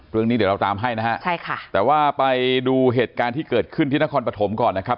เรื่องนี้เดี๋ยวเราตามให้นะฮะใช่ค่ะแต่ว่าไปดูเหตุการณ์ที่เกิดขึ้นที่นครปฐมก่อนนะครับ